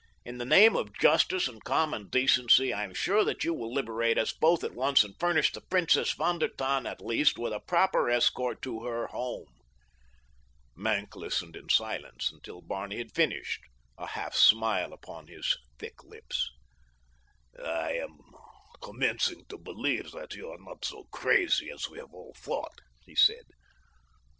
In the name of justice and common decency I am sure that you will liberate us both at once and furnish the Princess von der Tann, at least, with a proper escort to her home." Maenck listened in silence until Barney had finished, a half smile upon his thick lips. "I am commencing to believe that you are not so crazy as we have all thought," he said.